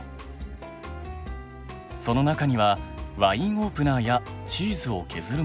その中にはワインオープナーやチーズを削るもの